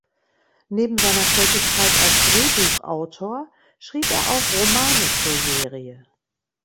Neben seiner Tätigkeit als Drehbuchautor schrieb er auch Romane zur Serie.